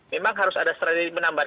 memang harus ada strategi penambahan